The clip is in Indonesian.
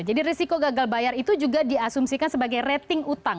jadi resiko gagal bayar itu juga diasumsikan sebagai rating utang